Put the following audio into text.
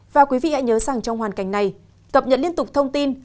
và quý vị hãy nhớ rằng trong hoàn cảnh này cập nhật liên tục thông tin